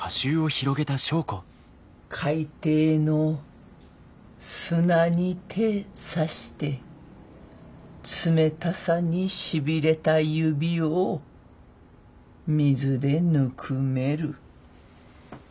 「海底の砂に手差して冷たさにしびれた指を水でぬくめる」。